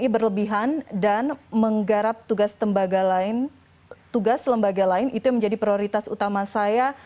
berlebihan dan menggarap tugas lembaga lain itu yang menjadi prioritas utama saya